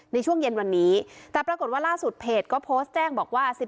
ในช่วงเย็นวันนี้แต่ปรากฏว่าล่าสุดเพจก็โพสต์แจ้งบอกว่า